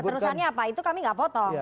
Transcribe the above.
coba terusannya apa itu kami gak potong